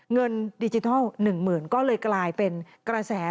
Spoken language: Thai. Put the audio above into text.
เงินดิจิทัล๑๐๐๐ก็เลยกลายเป็นกระแส